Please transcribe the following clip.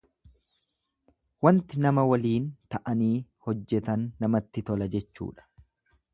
Wanti nama waliin ta'anii hojjetan namatti tola jechuudha.